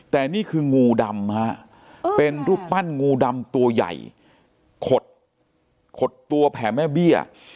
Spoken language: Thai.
แต่นี่คืองูดำฮะเป็นรูปปั้นงูดำตัวใหญ่ขดตัวแผ่แม่เบี้ย